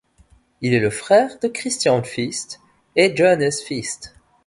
Il est le frère de Christian Feest et Johannes Feest.